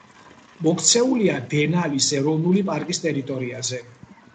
მოქცეულია დენალის ეროვნული პარკის ტერიტორიაზე.